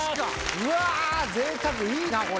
うわー、ぜいたく、いいな、これ。